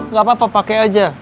gak apa apa pake aja